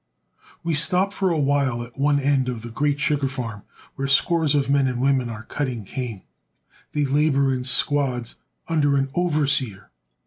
We stop for a while at one end of the great sugar farm, where scores of men and women are cutting cane. They labor in squads, under an overseer.